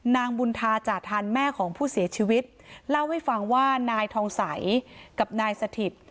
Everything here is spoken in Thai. นางบุญธาจาธันแม่ของผู้เสียชีวิตเล่าให้ฟังว่านายทองใสกับนายสถิต